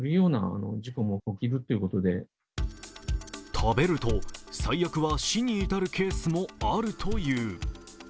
食べると最悪は死に至るケースもあるという。